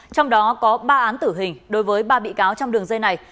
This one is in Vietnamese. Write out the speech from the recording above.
trong đó có ba án tử hình đối với ba bị cáo trong đường dây này